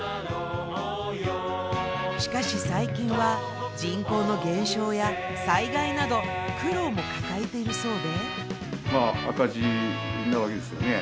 しかし最近は人口の減少や災害など苦労も抱えているそうで。